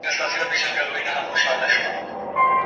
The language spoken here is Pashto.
فارابي د ټولني جوړښت د يو ژوندي موجود په څېر تعريف کړی.